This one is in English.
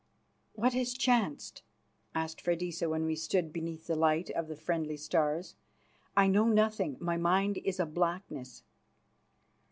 "What has chanced?" asked Freydisa when we stood beneath the light of the friendly stars. "I know nothing; my mind is a blackness."